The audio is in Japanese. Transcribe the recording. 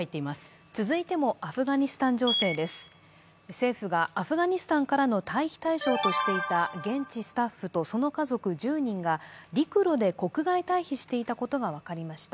政府がアフガニスタンからの退避対象としていた現地スタッフとその家族１０人が陸路で国外退避していたことが分かりました。